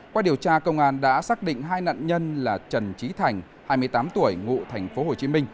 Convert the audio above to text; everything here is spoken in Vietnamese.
qua điều tra công an đã xác định hai nạn nhân là trần trí thành hai mươi tám tuổi ngụ tp hcm